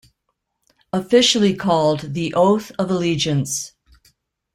Officially called the "Oath of Allegiance".